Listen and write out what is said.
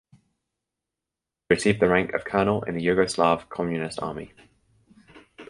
He received the rank of colonel in the Yugoslav communist army.